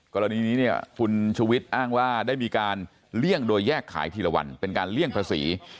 กรณีนี้เนี่ยคุณชูวิทย์อ้างว่าได้มีการเลี่ยงโดยแยกขายทีละวันเป็นการเลี่ยงภาษี